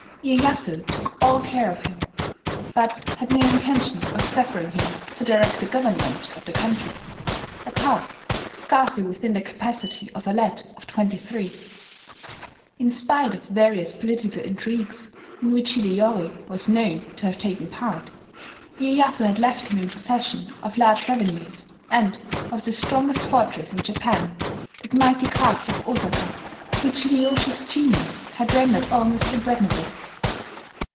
Iyeyasu took all care of him, but had no intention of suffering him to direct the government of the country, a task scarcely within the capacity of a lad of twenty three. In spite of various political intrigues in which Hideyori was known to have taken part, Iyeyasu had left him in possession of large revenues, and of the strongest fortress in Japan, that mighty castle of Osaka, which Hideyoshi's genius had rendered almost impregnable.